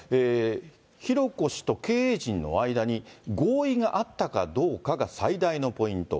浩子氏と経営陣の間に合意があったかどうかが最大のポイント。